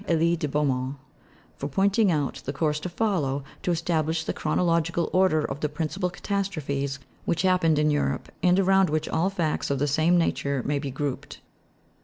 Elie de Beaumont for pointing out the course to follow, to establish the chronological order of the principal catastrophes which happened in Europe, and around which all facts of the same nature may be grouped.